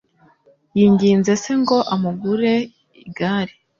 Yinginze se ngo amugure igare.